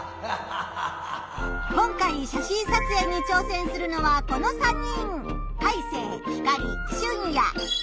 今回写真撮影にちょうせんするのはこの３人。